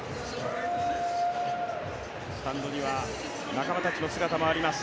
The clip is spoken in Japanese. スタンドには仲間たちの姿もあります。